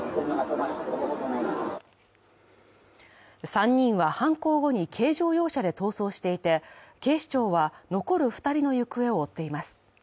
３人は犯行後に軽乗用車で逃走していて警視庁は残る２人の行方を追っています。